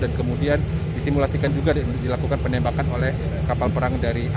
dan kemudian disimulasikan juga dilakukan penembakan